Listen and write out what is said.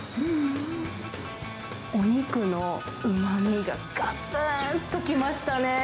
お肉のうまみが、がつんときましたね。